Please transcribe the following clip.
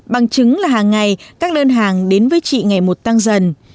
bằng chứng là hàng ngày các đơn hàng đến với chị ngày một tăng dần